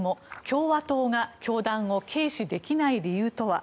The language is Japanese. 共和党が教団を軽視できない理由とは？